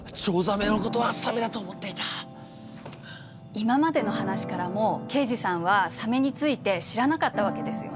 今までの話からも刑事さんはサメについて知らなかったわけですよね？